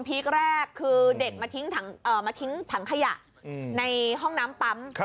คแรกคือเด็กมาทิ้งถังขยะในห้องน้ำปั๊ม